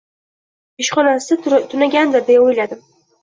Ishxonasida tunagandir, deya o`yladim